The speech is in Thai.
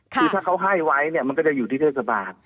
คือถ้าเขาให้ไว้เนี่ยมันก็จะอยู่ที่เทศบาล